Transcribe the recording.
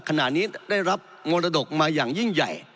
ขณะนี้ได้รับมรดกมาอย่างยิ่งใหญ่